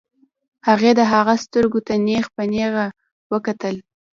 هغې د هغه سترګو ته نېغ په نېغه وکتل.